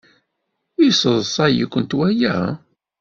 Yesseḍsay-ikent waya?